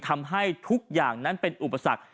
ทำให้ทุกอย่างนั้นเป็นอุปสรรค